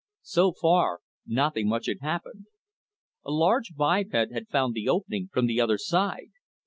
So far, nothing much had happened. A large biped had found the opening from the other side.